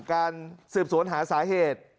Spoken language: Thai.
การสืบสวนหาสาเหตุ